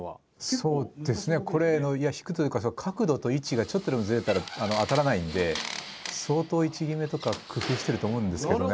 そうですねこれいや引くというか角度と位置がちょっとでもずれたら当たらないんで相当位置決めとか工夫してると思うんですけどね。